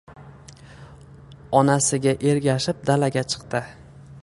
Onasiga ergashib dalaga chiqdi.